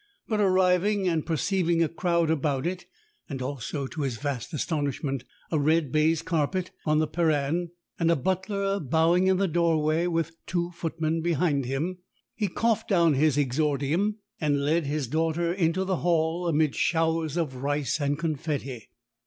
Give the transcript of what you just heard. But arriving and perceiving a crowd about it, and also, to his vast astonishment, a red baize carpet on the perron, and a butler bowing in the doorway with two footmen behind him, he coughed down his exordium, and led his daughter into the hall amid showers of rice and confetti.